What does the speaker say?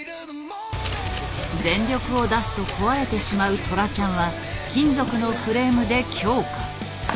全力を出すと壊れてしまうトラちゃんは金属のフレームで強化。